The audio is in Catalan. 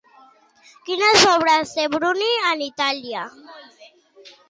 Quines obres té Bruni en italià?